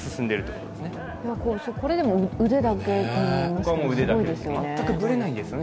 これでも腕だけ、すごいですよね